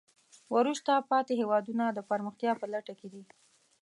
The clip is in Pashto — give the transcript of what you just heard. وروسته پاتې هېوادونه د پرمختیا په لټه کې دي.